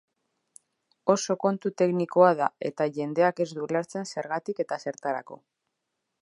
Oso kontu teknikoa da eta jendeak ez du ulertzen zergatik eta zertarako.